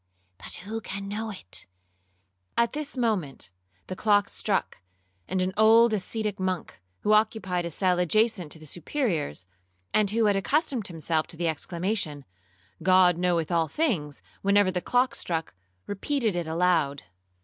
'—'But who can know it?' At this moment the clock struck, and an old ascetic monk, who occupied a cell adjacent to the Superior's, and who had accustomed himself to the exclamation, 'God knoweth all things,' whenever the clock struck, repeated it aloud.